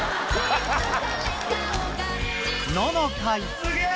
すげえ！